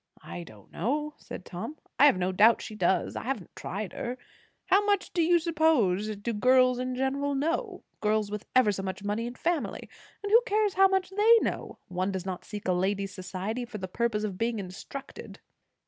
"I don't know," said Tom. "I have no doubt she does. I haven't tried her. How much, do you suppose, do girls in general know? girls with ever so much money and family? And who cares how much they know? One does not seek a lady's society for the purpose of being instructed."